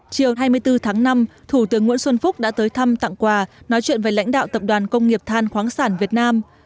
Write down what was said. chiều hai mươi bốn tháng năm thủ tướng nguyễn xuân phúc đã tới thăm tặng quà nói chuyện với lãnh đạo tập đoàn công nghiệp than khoáng sản việt nam